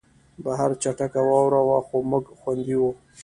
بهر چټکه واوره وه خو موږ خوندي وو